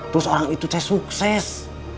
terus orang itu saya sukses